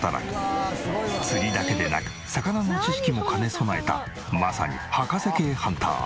釣りだけでなく魚の知識も兼ね備えたまさに博士系ハンター。